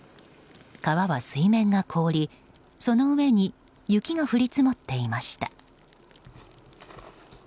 川は水面が凍り、その上に雪が降り積もっていました。